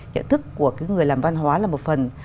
nhận thức của cái người làm văn hóa là một phần